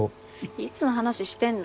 いつの話してんの。